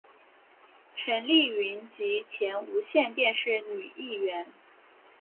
陈丽云及前无线电视女艺员。